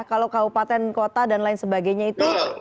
kalau kabupaten kota dan lain sebagainya itu